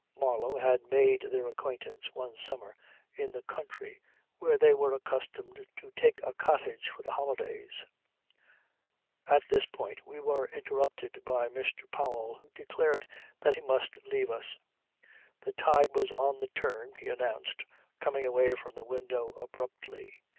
Marlow had made their acquaintance one summer in the country, where they were accustomed to take a cottage for the holidays ... At this point we were interrupted by Mr. Powell who declared that he must leave us. The tide was on the turn, he announced coming away from the window abruptly.